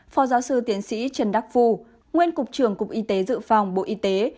phó giáo sư tiến sĩ trần đắc phu nguyên cục trưởng cục y tế dự phòng bộ y tế